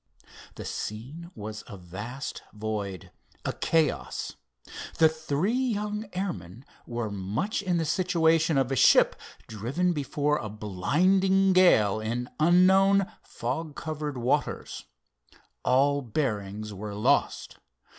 The scene was a vast void, a chaos. The three young airmen were much in the situation of a ship driven before a blinding gale in unknown, fog covered waters. All bearings were lost.